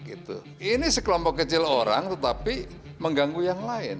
ini sekelompok kecil orang tetapi mengganggu yang lain